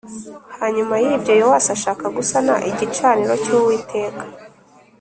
Hanyuma y ibyo Yowasi ashaka gusana igicaniro cy’uwiteka